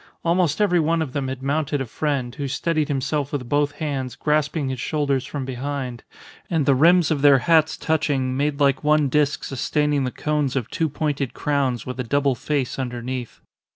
Almost every one of them had mounted a friend, who steadied himself with both hands grasping his shoulders from behind; and the rims of their hats touching, made like one disc sustaining the cones of two pointed crowns with a double face underneath.